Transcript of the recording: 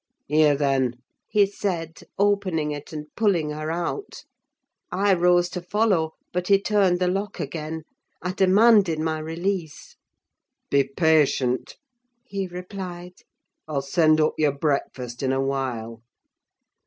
"Here, then," he said, opening it, and pulling her out. I rose to follow, but he turned the lock again. I demanded my release. "Be patient," he replied; "I'll send up your breakfast in a while."